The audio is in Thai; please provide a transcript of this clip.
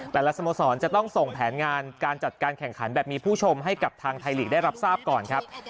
สโมสรจะต้องส่งแผนงานการจัดการแข่งขันแบบมีผู้ชมให้กับทางไทยลีกได้รับทราบก่อนครับ